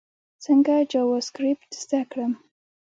څنګه جاواسکريپټ زده کړم؟